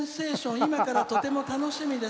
今から、とても楽しみです」。